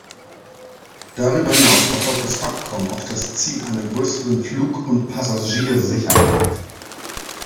Darüber hinaus verfolgt das Abkommen auch das Ziel einer größeren Flug- und Passagiersicherheit.